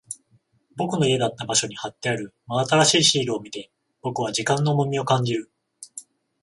僕の家だった場所に貼ってある真新しいシールを見て、僕は時間の重みを感じる。